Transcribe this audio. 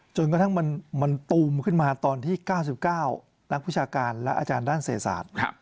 จนกระทั่งมันตูมขึ้นมาตอนที่๙๙นักวิชาการและอาจารย์ด้านเศษศาสตร์